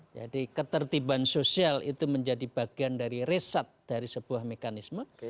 jadi ketertiban sosial itu menjadi bagian dari reset dari sebuah mekanisme